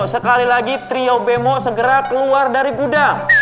sekali lagi trio bemo segera keluar dari gudang